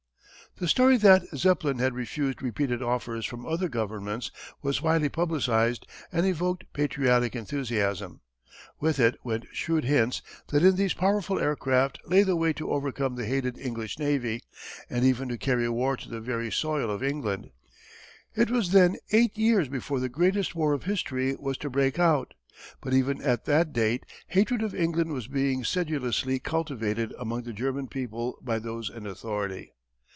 The story that Zeppelin had refused repeated offers from other governments was widely published and evoked patriotic enthusiasm. With it went shrewd hints that in these powerful aircraft lay the way to overcome the hated English navy, and even to carry war to the very soil of England. It was then eight years before the greatest war of history was to break out, but even at that date hatred of England was being sedulously cultivated among the German people by those in authority.